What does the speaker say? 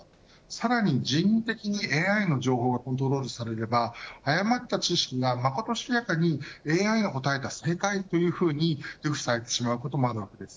さらに人為的にＡＩの情報がコントロールされれば誤った知識がまことしやかにＡＩの答えた正解、というふうに流布されてしまうこともあります。